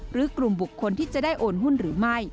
หรือกลุ่มบุคคลที่จะได้โอนหุ้นหรือไม่